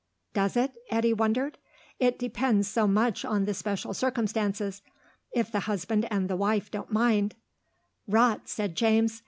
"Does it?" Eddy wondered. "It depends so much on the special circumstances. If the husband and the wife don't mind " "Rot," said James.